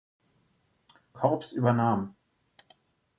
Korps übernahm.